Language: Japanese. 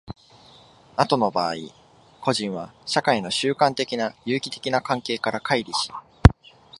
後の場合、個人は社会の習慣的な有機的な関係から乖離し、